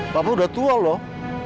papa udah tua loh